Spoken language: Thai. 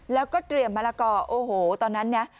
แล้วก็เตรียมมะละกอโอ้โหตอนนั้นนะ